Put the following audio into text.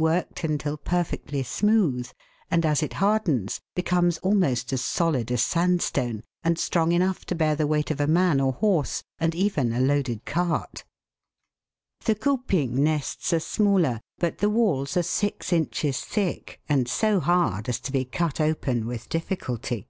197 worked until perfectly smooth, and as it hardens becomes almost as solid as sandstone, and strong enough to bear the weight of a man or horse, and even a loaded cart. The Cupim nests are smaller, but the walls are six inches thick, and so hard as to be cut open with difficulty.